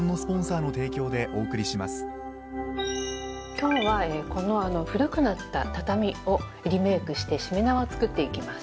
今日はこの古くなった畳をリメークしてしめ縄を作っていきます。